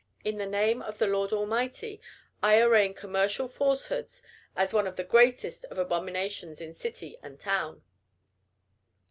In the name of the Lord Almighty, I arraign commercial falsehoods as one of the greatest of abominations in city and town.